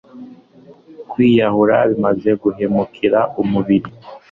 Kwiyahura bimaze guhemukira umubiri